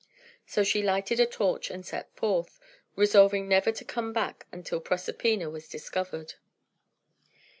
So she lighted a torch, and set forth, resolving never to come back until Proserpina was discovered.